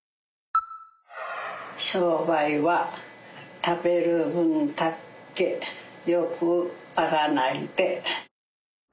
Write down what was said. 商売は食べる分だけ欲張らないで。